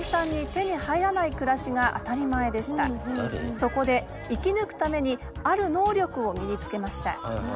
そこで生き抜くためにある能力を身につけました。